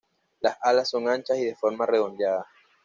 Las alas son anchas y de forma redondeada.